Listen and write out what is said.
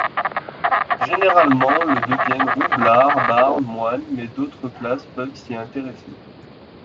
Généralement le deviennent Roublards, Bardes, Moines, mais d’autres classes peuvent s’y intéresser.